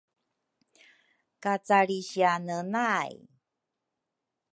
kacalrisiane nay